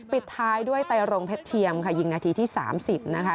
ปิดท้ายด้วยไตรรงเพชรเทียมค่ะยิงนาทีที่๓๐นะคะ